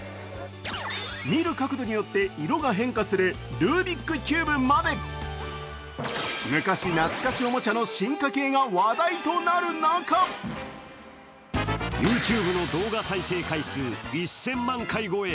見る角度によって色が変化するルービックキューブまで昔懐かしおもちゃの進化形が話題となる中、ＹｏｕＴｕｂｅの動画再生回数１０００万回超え。